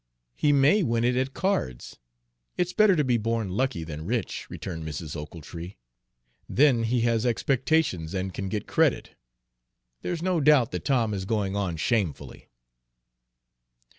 "He may win it at cards, it's better to be born lucky than rich," returned Mrs. Ochiltree. "Then he has expectations, and can get credit. There's no doubt that Tom is going on shamefully."